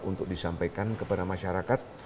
untuk disampaikan kepada masyarakat